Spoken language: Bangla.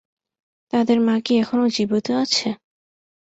তাদের মা কি এখনো জীবিত আছে?